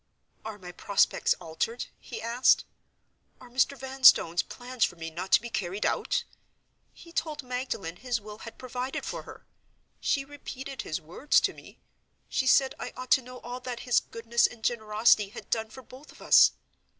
"Are my prospects altered?" he asked. "Are Mr. Vanstone's plans for me not to be carried out? He told Magdalen his will had provided for her. She repeated his words to me; she said I ought to know all that his goodness and generosity had done for both of us.